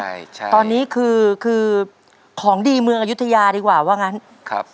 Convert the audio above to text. ใช่ใช่ตอนนี้คือคือของดีเมืองอายุทยาดีกว่าว่างั้นครับ